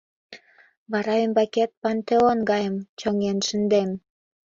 — Вара ӱмбакет пантеон гайым чоҥен шындем.